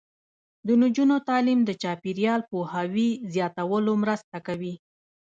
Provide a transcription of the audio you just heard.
د نجونو تعلیم د چاپیریال پوهاوي زیاتولو مرسته کوي.